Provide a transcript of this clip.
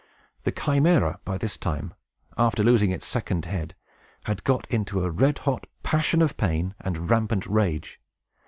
The Chimæra, by this time, after losing its second head, had got into a red hot passion of pain and rampant rage.